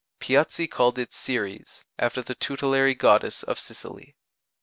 Piazzi called it Ceres, after the tutelary goddess of Sicily.